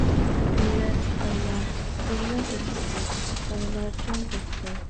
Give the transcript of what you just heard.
كۈنلەر ئايلار، يىللار ئۆتۈپتۇ، بالىلار چوڭ بوپتۇ.